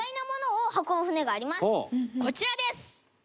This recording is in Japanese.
こちらです。